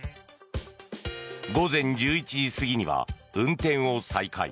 午前１１時過ぎには運転を再開。